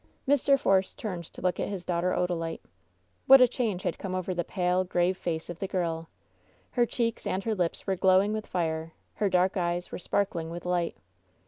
Mr. Force turned to look at his daughter Odalite. What a change had come over the pale, grave face of the girl. Her cheeks and her lips were glowing with fire, her dark eyes were sparkling with light.